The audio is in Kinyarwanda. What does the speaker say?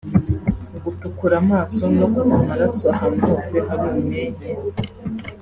gutukura amaso no kuva amaraso ahantu hose hari umwenge